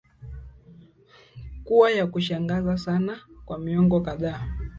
kuwa ya kushangaza sana kwa miongo kadhaa